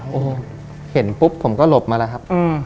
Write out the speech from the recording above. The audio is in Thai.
โอ้โหเห็นปุ๊บผมก็หลบมาแล้วครับ